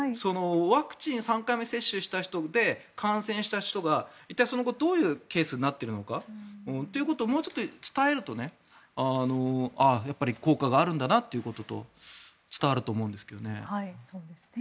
ワクチン３回目接種した人で感染した人が一体その後どういうケースになっているかということをもうちょっと伝えるとやっぱり効果があるんだなということと伝わると思うんですけどね。